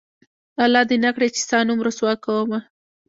الله دې نه کړي چې ستا نوم رسوا کومه